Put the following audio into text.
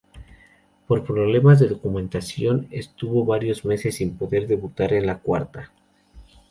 Por problemas de documentación, estuvo varios meses sin poder debutar en la Cuarta.